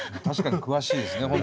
確かに詳しいですね。